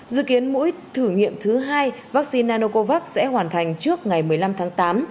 dự kiến mũi thử nghiệm thứ hai vaccine nanocovax sẽ hoàn thành trước ngày một mươi năm tháng tám